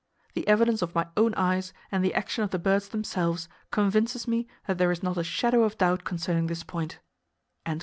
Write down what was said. The evidence of my own eyes, and the action of the birds themselves, convinces me that there is not a shadow of doubt concerning this point."